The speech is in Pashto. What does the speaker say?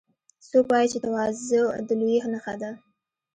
څوک وایي چې تواضع د لویۍ نښه ده